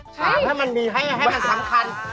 ถามให้มันมีให้มันสำคัญ